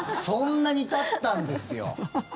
そんなにたったんですよ。